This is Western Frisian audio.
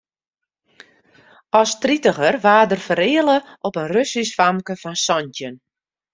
As tritiger waard er fereale op in Russysk famke fan santjin.